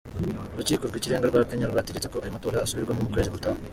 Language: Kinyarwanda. Urukiko rw'ikirenga rwa Kenya rwategetse ko ayo matora asubirwamo mu kwezi gutaha.